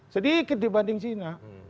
sedikit dibanding cina